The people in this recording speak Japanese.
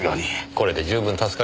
これで十分助かります。